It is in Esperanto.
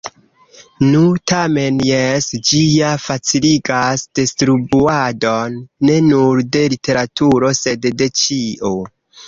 Nu, tamen jes, ĝi ja faciligas distribuadon, ne nur de literaturo, sed de ĉio.